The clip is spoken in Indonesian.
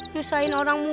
cuma gue aja barangnya